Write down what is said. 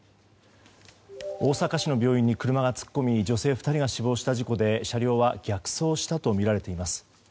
大阪市の病院に車が突っ込み女性２人が死亡した事故で車両は逆走したとみられています。